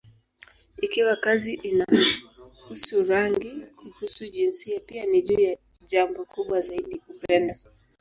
Ikiwa kazi inahusu rangi, kuhusu jinsia, pia ni juu ya jambo kubwa zaidi: upendo.